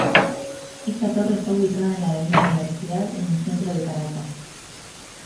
Esta torre está ubicada en la Avenida Universidad, en el centro de Caracas.